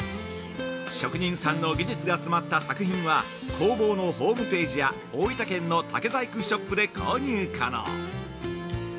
職人さんの技術が詰まった作品は、工房のホームページや大分県の竹細工ショップで購入可能。